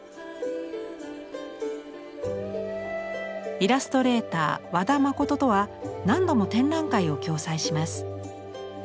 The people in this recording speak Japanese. イラストレーター和田誠とは何度も展覧会を共催します。